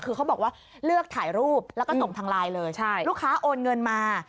คือเขาบอกว่าเลือกถ่ายรูปแล้วก็ส่งทางไลน์เลยลูกค้าโอนเงินมา